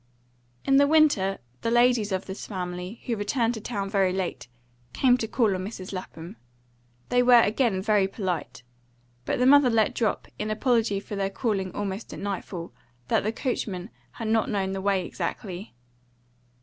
In the winter the ladies of this family, who returned to town very late, came to call on Mrs. Lapham. They were again very polite. But the mother let drop, in apology for their calling almost at nightfall, that the coachman had not known the way exactly.